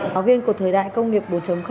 giáo viên của thời đại công nghiệp bốn